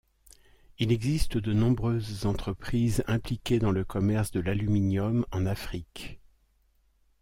Il existe de nombreuses entreprises impliquées dans le commerce de l'aluminium en Afrique.